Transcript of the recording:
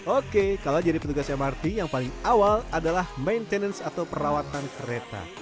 oke kalau jadi petugas mrt yang paling awal adalah maintenance atau perawatan kereta